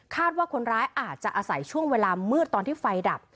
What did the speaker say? คาดว่าคนร้ายอาจจะอาศัยช่วงเวลามืดตอนที่ไฟดับแล้วรอในนู้ฟ่าวรออยู่